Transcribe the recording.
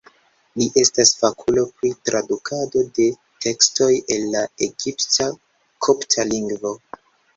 Li estas fakulo pri tradukado de tekstoj el la egipta-kopta lingvo.